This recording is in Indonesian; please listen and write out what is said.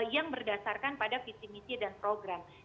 yang berdasarkan pada visi misi dan program